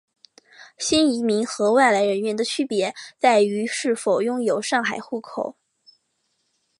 新移民和外来人员的区别在于是否拥有上海户口。